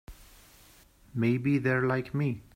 Maybe they're like me.